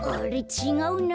ちがうな。